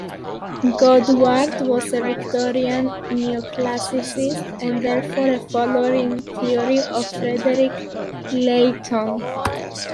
Godward was a Victorian Neo-classicist, and therefore, a follower in theory of Frederic Leighton.